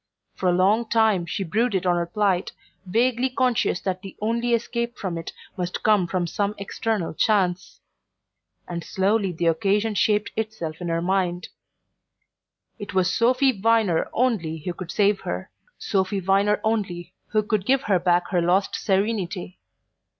For a long time she brooded on her plight, vaguely conscious that the only escape from it must come from some external chance. And slowly the occasion shaped itself in her mind. It was Sophy Viner only who could save her Sophy Viner only who could give her back her lost serenity.